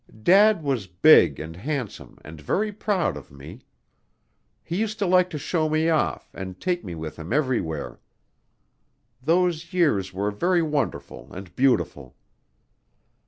Dad was big and handsome and very proud of me. He used to like to show me off and take me with him everywhere. Those years were very wonderful and beautiful.